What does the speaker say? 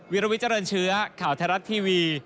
วิลวิเจริญเชื้อข่าวไทยรัฐทีวี